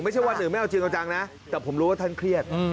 วันหนึ่งไม่เอาจริงเอาจังนะแต่ผมรู้ว่าท่านเครียด